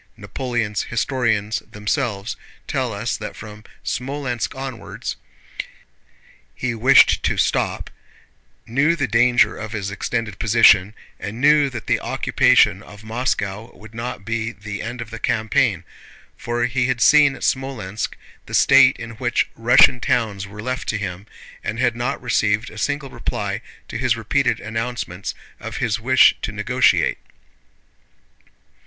Napoleon's historians themselves tell us that from Smolénsk onwards he wished to stop, knew the danger of his extended position, and knew that the occupation of Moscow would not be the end of the campaign, for he had seen at Smolénsk the state in which Russian towns were left to him, and had not received a single reply to his repeated announcements of his wish to negotiate.